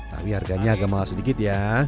tapi harganya agak mahal sedikit ya